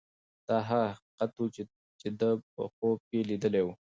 دا هغه حقیقت و چې ده په خوب کې لیدلی و.